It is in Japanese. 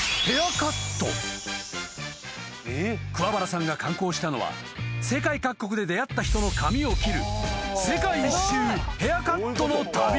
［桑原さんが敢行したのは世界各国で出会った人の髪を切る］